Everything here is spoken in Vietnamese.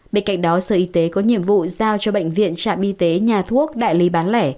bên cạnh đó sở y tế có nhiệm vụ giao cho bệnh viện trạm y tế nhà thuốc đại lý bán lẻ